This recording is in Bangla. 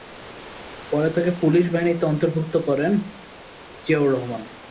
পরে তাকে পুলিশ বাহিনীতে অন্তর্ভুক্ত করেন রাষ্ট্রপতি জিয়াউর রহমান।